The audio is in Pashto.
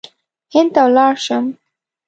هند ته ولاړ شم.